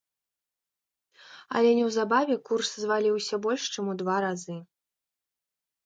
Але неўзабаве курс зваліўся больш чым у два разы.